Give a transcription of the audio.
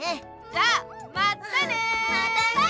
じゃあまたね！